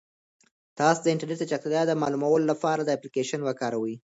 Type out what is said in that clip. تاسو د انټرنیټ د چټکتیا د معلومولو لپاره دا اپلیکیشن وکاروئ.